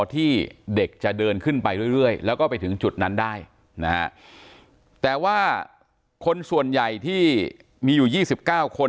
ที่เด็กจะเดินขึ้นไปเรื่อยแล้วก็ไปถึงจุดนั้นได้นะฮะแต่ว่าคนส่วนใหญ่ที่มีอยู่๒๙คน